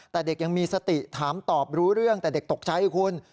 แต่เด็กยังมีสติถามตอบรู้เรื่องแต่เด็กตกใจคุณ